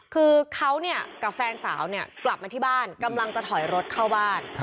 คือเขากับแฟนสาวกลับมาที่บ้านกำลังจะถอยรถเข้าบ้าน